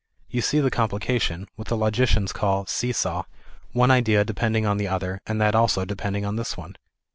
You see the complication, what the logicians call see saw, one idea depending on the other, and that also depending on this one.